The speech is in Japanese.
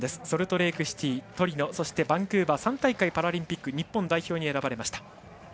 ソルトレークシティー、トリノそして、バンクーバー３大会でパラリンピックの日本代表に選ばれました。